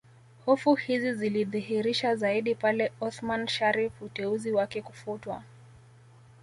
Hofu hizi zilijidhihirisha zaidi pale Othman Sharrif uteuzi wake kufutwa